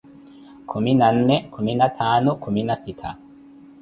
Kumi na nne, kumi na ttaanu, kumi na sittha.